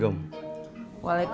cepat kantonin ga kali ya